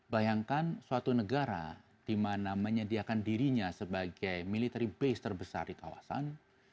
bayangkan suatu negara di mana menyediakan dirinya sebagai military base terbesar di kawasan